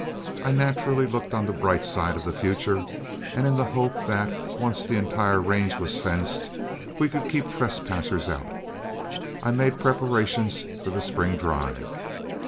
I naturally looked on the bright side of the future, and in the hope that, once the entire range was fenced, we could keep trespassers out, I made preparations for the spring drive.